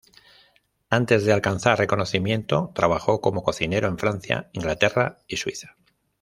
Antes de alcanzar reconocimiento, trabajó como cocinero en Francia, Inglaterra y Suiza.